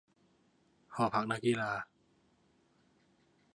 หอพักนักกีฬา ?